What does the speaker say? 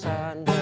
jangan ada perang